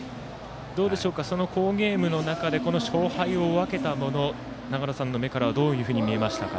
その好ゲームの中で勝敗を分けたもの長野さんの目からはどういうふうに見えましたか？